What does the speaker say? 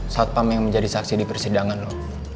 satpam yang menjadi saksi di persidangan loh